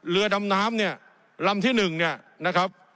เรือดำน้ำเนี่ยลำที่๑เนี่ยนะครับ